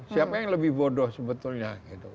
siapa yang lebih bodoh sebetulnya